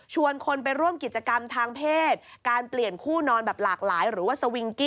ชวนคนไปร่วมกิจกรรมทางเพศ